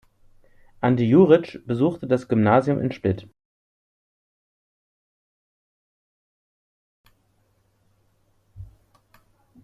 Ante Jurić besuchte das Gymnasium in Split.